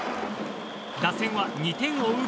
打線は、２点を追う